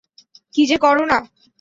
কী যে করে না!